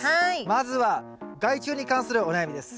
まずは害虫に関するお悩みです。